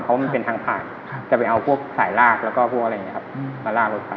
เพราะว่ามันเป็นทางผ่านจะไปเอาพวกสายรากเข้ามหากลากรถฝ่าย